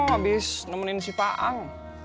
abis nemenin si paang